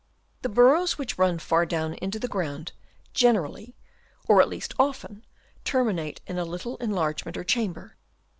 The burrows which run far down into the ground, generally, or at least often, terminate in a little enlargement or chamber.